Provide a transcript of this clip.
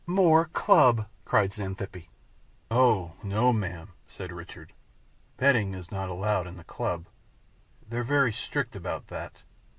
"More club!" cried Xanthippe. "Oh no, ma'am," said Richard. "Betting is not allowed in the club; they're very strict about that.